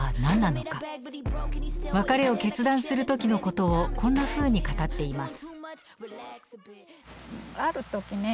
別れを決断する時のことをこんなふうに語っています。